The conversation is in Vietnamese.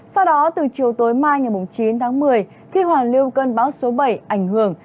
sau đó từ chiều tối mai ngày chín tháng một mươi khi hoàn lưu cơn bão số bảy ảnh hưởng